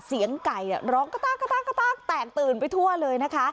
เสียงไก่อ่ะร้องกระตากกระตากกระตากแตกตื่นไปทั่วเลยนะคะ